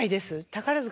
宝塚